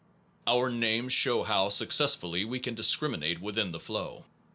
Our names show how suc cessfully we can discriminate within the flow.